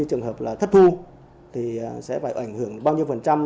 trường hợp là thất thu thì sẽ phải ảnh hưởng bao nhiêu phần trăm